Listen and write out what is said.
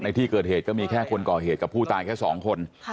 ที่เกิดเหตุก็มีแค่คนก่อเหตุกับผู้ตายแค่๒คน